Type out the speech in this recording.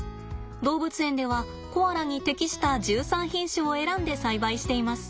動物園ではコアラに適した１３品種を選んで栽培しています。